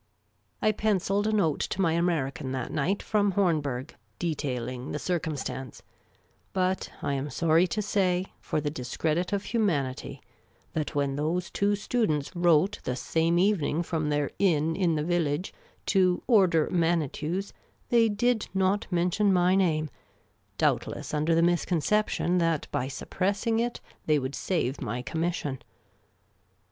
I pencilled a note to my American that night from Horn berg, detailing the circumstance ; but I am sorry to say, for the discredit of humanity, that when those two students wrote the same evening from their inn in the village to" order Manitous, they did not mention my name, doubtless under the misconception that by suppressing it they would save my commission.